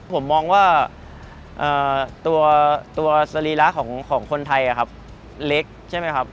ผมมองว่าตัวสรีระของคนไทยเล็กใช่ไหมครับ